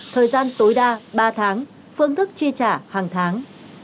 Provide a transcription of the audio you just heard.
thời gian tối đa ba tháng phương thức chi trả hàng tháng